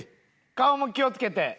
顔も気を付けて。